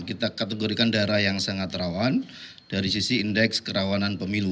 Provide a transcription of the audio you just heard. kita kategorikan daerah yang sangat rawan dari sisi indeks kerawanan pemilu